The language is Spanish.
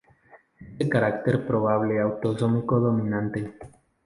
Es de carácter probable autosómico dominante.